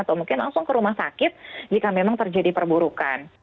atau mungkin langsung ke rumah sakit jika memang terjadi perburukan